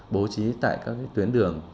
bố trí tại các tuyến đường